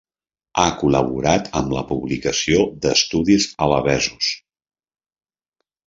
Ha col·laborat amb la publicació d'estudis alabesos.